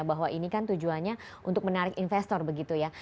bahwa ini kan tujuannya untuk menarik investor begitu ya